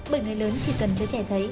bởi người lớn chỉ cần cho trẻ thấy